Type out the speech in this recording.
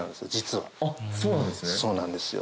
そうなんですね？